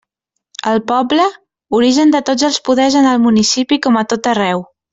El poble, origen de tots els poders en el municipi com a tot arreu.